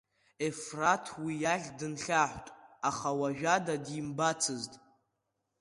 Ефраҭ уи иахь дынхьаҳәт, аха уажәада димбацызт…